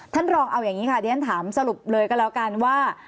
ท่านรองเอาอย่างนี้ค่ะเรียนถามสรุปเลยก็แล้วกันว่า